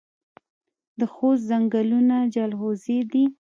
د خوست ځنګلونه جلغوزي دي